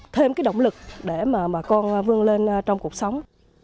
thêm cái động lực để mà bà con vươn lên trong cuộc sống